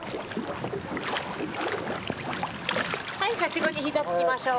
はい、はしごにひざをつきましょう。